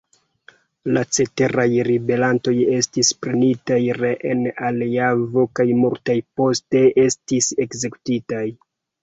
La ceteraj ribelantoj estis prenitaj reen al Javo kaj multaj poste estis ekzekutitaj.